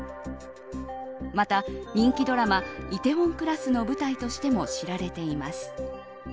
また、人気ドラマ「梨泰院クラス」の舞台としても知られています。